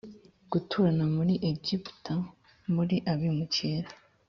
gutura muri egiputa muri abimukira